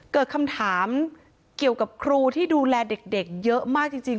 เกิดคำถามเกี่ยวกับครูที่ดูแลเด็กเยอะมากจริง